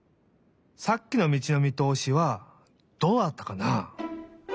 さっきの道のみとおしはどうだったかな？